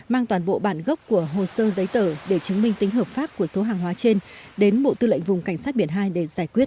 mang toàn bộ bản gốc của hồ sơ giấy tờ để chứng minh tính hợp pháp của số hàng hóa trên đến bộ tư lệnh vùng cảnh sát biển hai để giải quyết